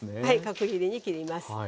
はい角切りに切ります。